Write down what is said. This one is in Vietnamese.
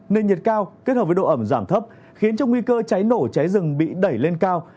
nền nhiệt cao kết hợp với độ ẩm giảm thấp khiến cho nguy cơ cháy nổ cháy rừng bị đẩy lên cao